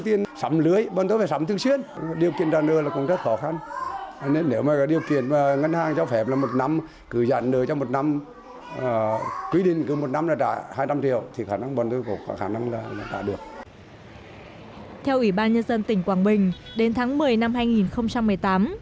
theo ủy ban nhân dân tỉnh quảng bình đến tháng một mươi năm hai nghìn một mươi tám